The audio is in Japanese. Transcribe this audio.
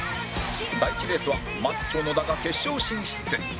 第１レースはマッチョ野田が決勝進出